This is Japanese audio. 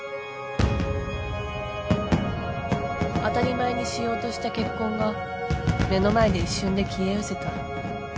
当たり前にしようとした結婚が目の前で一瞬で消えうせた。